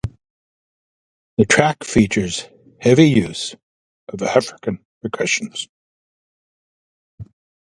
The track features heavy use of African percussion.